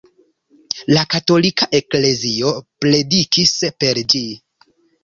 La katolika eklezio predikis per ĝi.